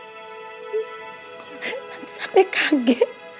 tante sampai kaget